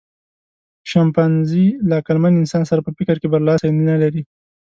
شامپانزي له عقلمن انسان سره په فکر کې برلاسی نهلري.